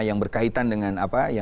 yang berkaitan dengan